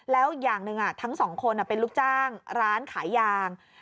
แล้วอย่างหนึ่งทั้งสองคนเป็นลูกจ้างร้านขายยาง